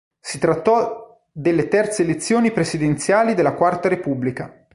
Si trattò delle terze elezioni presidenziali della Quarta Repubblica.